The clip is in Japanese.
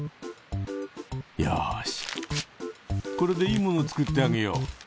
よしこれでいいものを作ってあげよう。